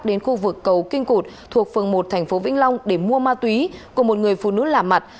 đến khu vực cầu kinh cục thuộc phường một thành phố vĩnh long để mua ma túy của một người phụ nữ làm mặt